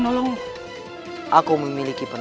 sekarang yang delivered